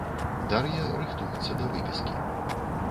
Дар'я рыхтуецца да выпіскі.